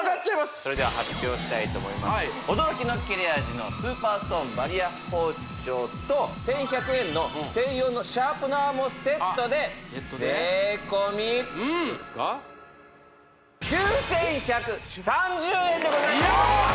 それでは発表したいと思います驚きの切れ味のスーパーストーンバリア包丁と１１００円の専用のシャープナーもセットで税込９１３０円でございます